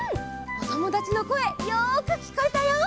おともだちのこえよくきこえたよ。